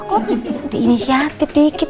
kok diinisiatif dikit